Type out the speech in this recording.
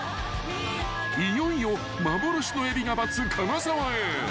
［いよいよ幻のエビが待つ金沢へ］